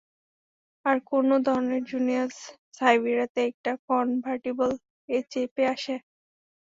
আর কোন ধরণের জিনিয়াস সাইবেরিয়াতে একটা কনভার্টিবল-এ চেপে আসে?